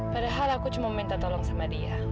padahal aku cuma minta tolong sama dia